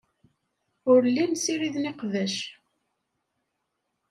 Ur llin ssiriden iqbac.